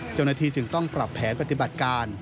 เจ้าหน้าที่จึงต้องปรับแผนปฏิบัติการ